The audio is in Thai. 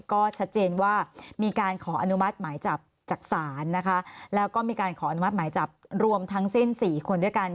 ก็ชัดเจนว่ามีการขออนุมัติหมายจับจากศาลนะคะแล้วก็มีการขออนุมัติหมายจับรวมทั้งสิ้น๔คนด้วยกัน